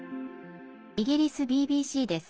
イギリスＢＢＣです。